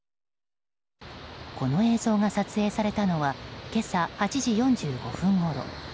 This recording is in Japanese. この映像が撮影されたのは今朝８時４５分ごろ。